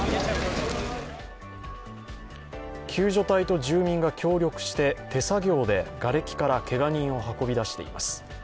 救助隊と住民が協力して手作業で瓦礫からけが人を運び出しています。